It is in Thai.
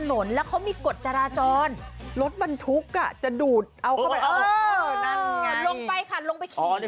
น้ำหรือว่าอะไร